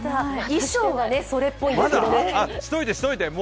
衣装はそれっぽいんですけどね。